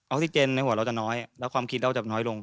ซิเจนในหัวเราจะน้อยแล้วความคิดเราจะน้อยลง